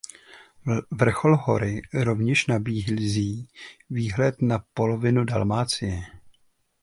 Vrchol hory rovněž nabízí výhled na polovinu Dalmácie.